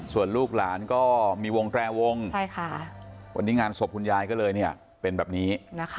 ส่วนลูกหลานก็มีวงแตรวงวันนี้งานศพคุณยายก็เลยเป็นแบบนี้